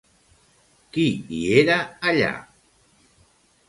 Qui hi era allà?